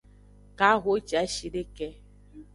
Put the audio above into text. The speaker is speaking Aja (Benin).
Kahociashideke.